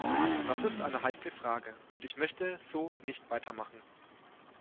Das ist eine heikle Frage, und ich möchte so nicht weitermachen.